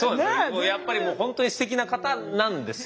やっぱりもう本当にすてきな方なんですよ。